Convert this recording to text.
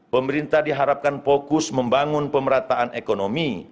pemerintah diharapkan fokus membangun pemerataan ekonomi